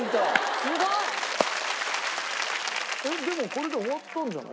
すごい！えっでもこれで終わったんじゃない？